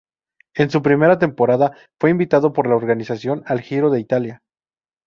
En su primera temporada, fue invitado por la organización al Giro de Italia.